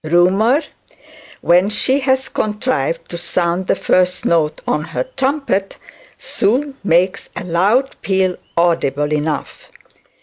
Rumour, when she has contrived to sound the first note on her trumpet, soon makes a loud peal audible enough.